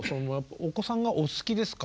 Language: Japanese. お子さんがお好きですか？